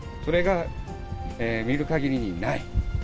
それが見る限りにない。